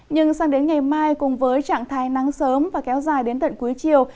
nhưng sang đến ngày mai cùng với trạng thái nắng sớm và kéo dài đến tận cuối chiều